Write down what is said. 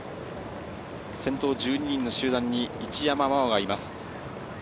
先頭１２人の集団に一山麻緒がいます。